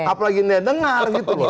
apalagi dia dengar gitu loh